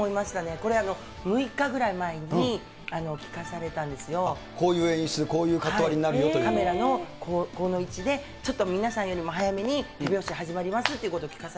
これ、６日ぐらい前に聞かされたこういう演出で、こういうカカメラのこの位置で、ちょっと皆さんよりも早めに手拍子始まりますということを聞かさ